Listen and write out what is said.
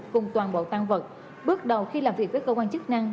cùng toàn bộ tan vật bước đầu khi làm việc với cơ quan chức năng